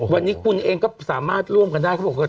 วันนี้คุณเองก็สามารถร่วมกันได้